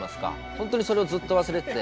本当にそれをずっと忘れてて。